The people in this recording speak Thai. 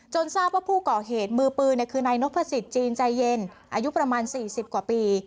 ทราบว่าผู้ก่อเหตุมือปืนคือนายนพสิทธิจีนใจเย็นอายุประมาณ๔๐กว่าปี